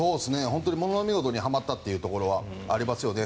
ものの見事にはまったところはありますよね。